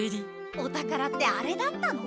お宝ってあれだったの？